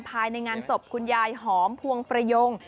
ภายในงานศพคุณยายหอมพวงประยง